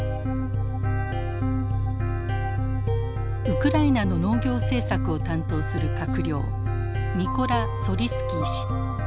ウクライナの農業政策を担当する閣僚ミコラ・ソリスキー氏。